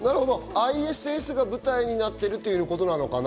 ＩＳＳが舞台になっているということなのかな？